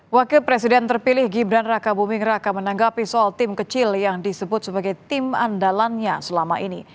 wakil presiden terpilih gibran raka buming raka menanggapi soal tim kecil yang disebut sebagai tim andalannya selama ini